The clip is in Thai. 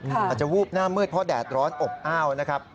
อาจจะวูบหน้ามืดเพราะแดดร้อนอบอ้าวนะครับ